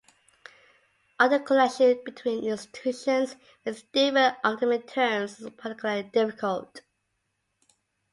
Articulation between institutions with different academic terms is particularly difficult.